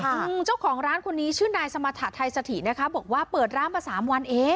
อืมเจ้าของร้านคนนี้ชื่อนายสมรรถะไทยสถินะคะบอกว่าเปิดร้านมาสามวันเอง